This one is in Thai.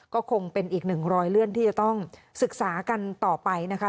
ก็คงเป็นอีกหนึ่งรอยเลื่อนที่จะต้องศึกษากันต่อไปนะคะ